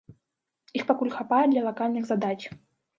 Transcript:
Іх пакуль хапае для лакальных задач.